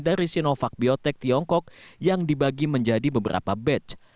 dari sinovac biotech tiongkok yang dibagi menjadi beberapa batch